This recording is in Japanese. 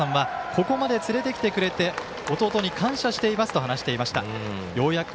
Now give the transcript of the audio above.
けいたさんはここまで連れてきてくれて弟に感謝していますと話していました。